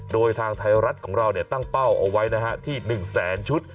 โดยทางไทยรัฐของเราเนี่ยตั้งเป้าเอาไว้นะฮะที่หนึ่งแสนชุด